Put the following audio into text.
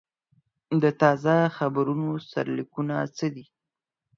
د تازه خبرونو سرلیکونه څه دي؟